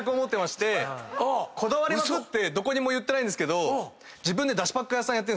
こだわりまくってどこにも言ってないんですけど。